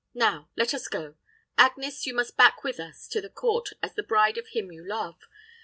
Now let us go. Agnes, you must back with us to the court as the bride of him you love.